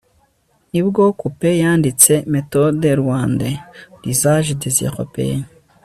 ni bwo coupez a. yanditse méthode rwanda { l'usage des européens